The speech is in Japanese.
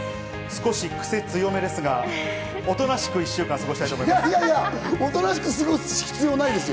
少しクセ強めですが、おとなしく１週間過ごしたいと思います。